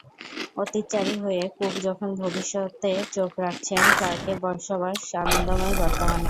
অতীতচারী হয়ে কুক যখন ভবিষ্যতে চোখ রাখছেন, ক্লার্কের বসবাস আনন্দময় বর্তমানে।